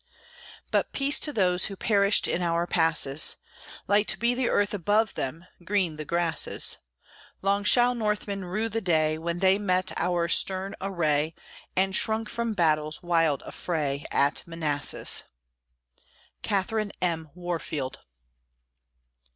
But peace to those who perished In our passes! Light be the earth above them; Green the grasses! Long shall Northmen rue the day When they met our stern array, And shrunk from battle's wild affray At Manassas. CATHERINE M. WARFIELD.